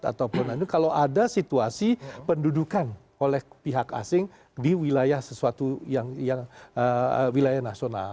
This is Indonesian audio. ataupun nanti kalau ada situasi pendudukan oleh pihak asing di wilayah sesuatu yang wilayah nasional